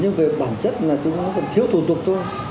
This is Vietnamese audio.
nhưng về bản chất là chúng ta cần thiếu thủ tục thôi